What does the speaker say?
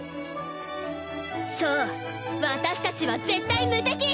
そう私たちは絶対無敵！